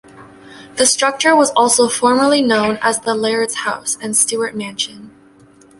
The structure was also formerly known as "The laird's house" and "Stewart Mansion".